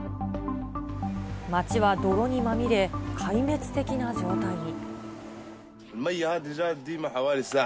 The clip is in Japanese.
街は泥にまみれ、壊滅的な状態に。